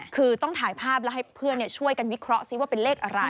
คือต้องถ่ายภาพแล้วให้เพื่อนช่วยกันวิเคราะห์ซิว่าเป็นเลขอะไร